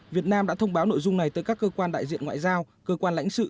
việt nam đã thông báo nội dung này tới các cơ quan đại diện ngoại giao cơ quan lãnh sự